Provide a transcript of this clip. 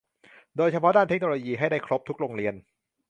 โดยเฉพาะด้านเทคโนโลยีให้ได้ครบทุกโรงเรียน